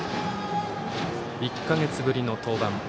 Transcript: １か月ぶりの登板。